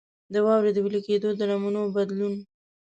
د واورو د وېلې کېدو د نمونو بدلون.